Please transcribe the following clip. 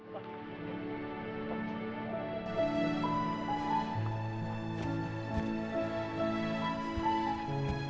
terima kasih terima kasih